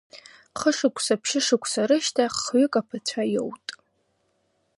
Хышықәса-ԥшьышықәса рышьҭахь хҩык аԥацәа иоут.